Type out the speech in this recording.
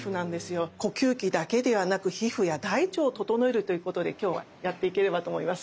呼吸器だけではなく皮膚や大腸をととのえるということで今日はやっていければと思います。